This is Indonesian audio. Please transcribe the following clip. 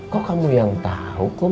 kok kamu yang tahu kok